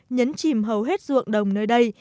nhấn chìm hầu hết ruộng đồng nơi đây